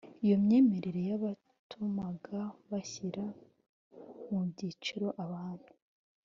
iyo myemerere yatumaga bashyira mu byiciro abantu